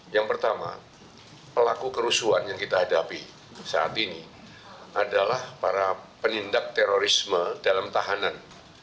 yang pertama pelaku kerusuhan yang kita hadapi saat ini adalah para penindak terorisme dalam tahanan